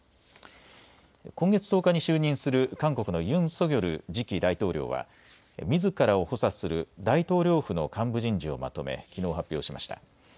今月１０日に就任する韓国のユン・ソギョル次期大統領はみずからを補佐する大統領府の幹部人事をまとめきのう発表しました。